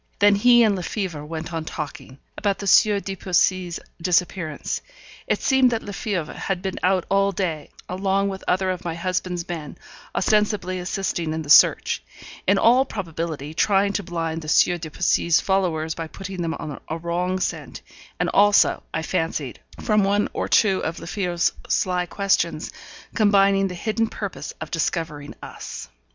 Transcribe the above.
Then he and Lefebvre went on talking about the Sieur de Poissy's disappearance. It seemed that Lefebvre had been out all day, along with other of my husband's men, ostensibly assisting in the search; in all probability trying to blind the Sieur de Poissy's followers by putting them on a wrong scent, and also, I fancied, from one or two of Lefebvre's sly questions, combining the hidden purpose of discovering us.